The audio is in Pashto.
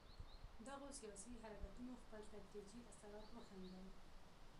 دغو سیاسي حرکتونو خپل تدریجي اثرات وښندل.